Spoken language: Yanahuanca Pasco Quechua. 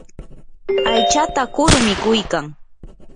aychata kuru mikuykan.